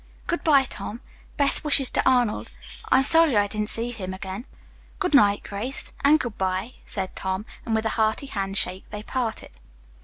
"Good bye, Tom. Best wishes to Arnold. I'm sorry I didn't see him again." "Good night, Grace, and good bye," said Tom, and with a hearty handshake they parted.